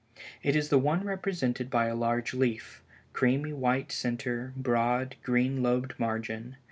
It is the one represented by a large leaf, creamy white center, broad, green lobed margin.